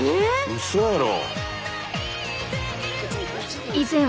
うそやろ。